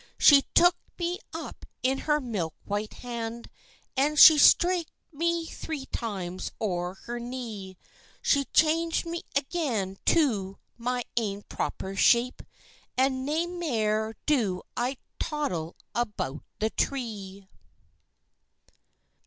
She took me up in her milk white hand, And she straik'd me three times o'er her knee; She chang'd me again to my ain proper shape, And nae mair do I toddle about the tree.